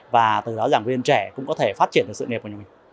và từ đó giảng viên trẻ cũng có thể phát triển được sự nghiệp của nhà mình